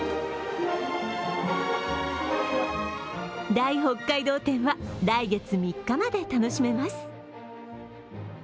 大北海道展は来月３日まで楽しめます。